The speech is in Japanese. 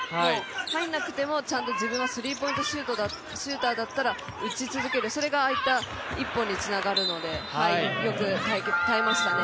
入らなくても、ちゃんと自分はスリーポイントシューターだったら打ち続ける、それがああいった１本につながるので、よく耐えましたね。